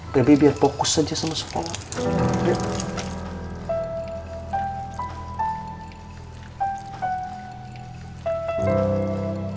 pembi biar fokus saja sama sekolah